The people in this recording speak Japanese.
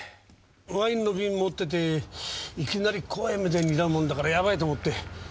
ワインの瓶持ってていきなり怖い目で睨むもんだからやばいと思って。